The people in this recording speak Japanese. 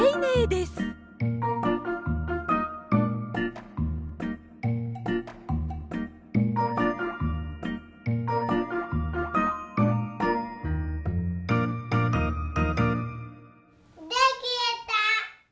できた！